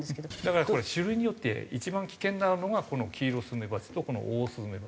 だからこれは種類によって一番危険なのがこのキイロスズメバチとこのオオスズメバチですよね。